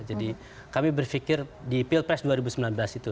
jadi kami berpikir di pilpres dua ribu sembilan belas itu